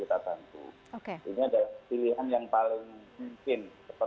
kita tangguh ini adalah